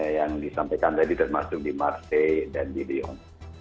yang disampaikan tadi termasuk di marseille dan di lyon